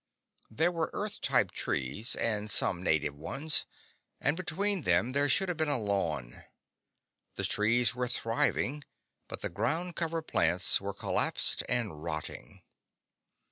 There were Earth type trees, and some native ones, and between them there should have been a lawn. The trees were thriving, but the ground cover plants were collapsed and rotting.